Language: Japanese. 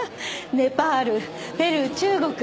ネパールペルー中国。